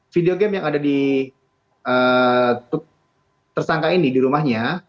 video game yang ada di tersangka ini di rumahnya